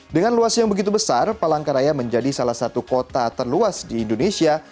dengan luas yang begitu besar palangkaraya menjadi salah satu kota terluas di indonesia